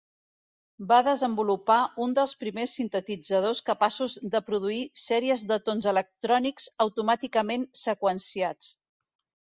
Va desenvolupar un dels primers sintetitzadors capaços de produir sèries de tons electrònics automàticament seqüenciats.